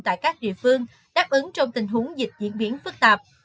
tại các địa phương đáp ứng trong tình huống dịch diễn biến phức tạp